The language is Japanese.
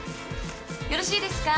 よろしいですか？